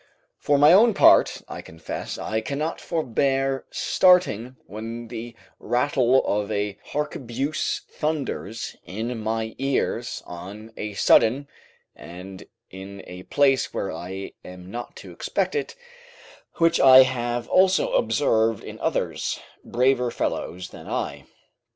For my own part, I confess I cannot forbear starting when the rattle of a harquebuse thunders in my ears on a sudden, and in a place where I am not to expect it, which I have also observed in others, braver fellows than I.